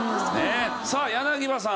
さあ柳葉さん。